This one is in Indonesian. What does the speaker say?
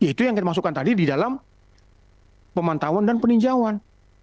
itu yang kita masukkan tadi di dalam pemantauan dan peninjauan